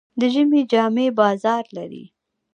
د ژمي جامې بازار لري.